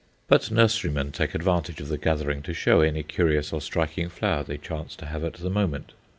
But nurserymen take advantage of the gathering to show any curious or striking flower they chance to have at the moment.